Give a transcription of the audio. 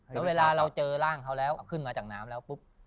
แล้วเวลาเราเจอร่างเขาแล้วเอาขึ้นมาจากน้ำแล้วปุ๊บ